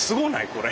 これ。